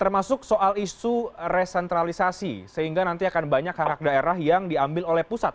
termasuk soal isu resentralisasi sehingga nanti akan banyak hak hak daerah yang diambil oleh pusat